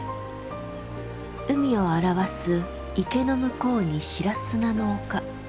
海を表す池の向こうに白砂の丘。